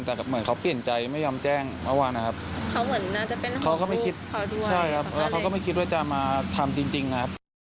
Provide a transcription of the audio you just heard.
แต่เหมือนเขาเปลี่ยนใจไม่ยอมแจ้งเมื่อวานนะครับเขาก็ไม่คิดว่าจะมาทำจริงนะครับ